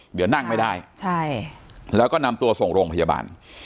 เดี๋ยวนั่งไม่ได้ใช่แล้วก็นำตัวส่งโรงพยาบาล